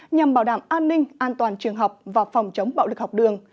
nhằm bảo đảm an ninh an toàn trường học và phòng chống bạo lực học đường